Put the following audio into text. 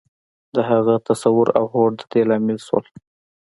د هغه تصور او هوډ د دې لامل شول.